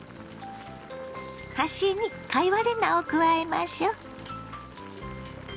端に貝割れ菜を加えましょ。